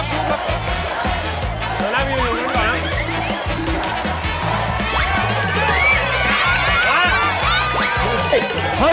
เข้ามาแล้ว